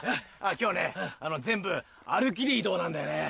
今日ね全部歩きで移動なんだよね。